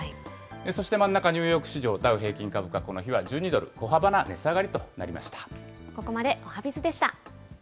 そして真ん中、ニューヨーク市場、ダウ平均株価、この日は１２ドル、小幅な値下がりとなりました。